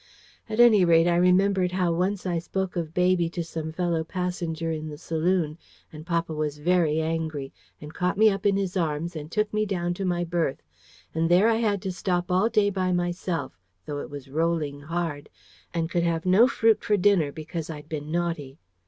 At any rate, I remembered how once I spoke of baby to some fellow passenger in the saloon, and papa was very angry, and caught me up in his arms and took me down to my berth; and there I had to stop all day by myself (though it was rolling hard) and could have no fruit for dinner, because I'd been naughty.